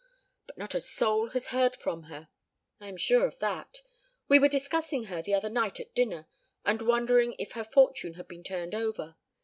But not a soul has heard from her. I am sure of that. We were discussing her the other night at dinner and wondering if her fortune had been turned over.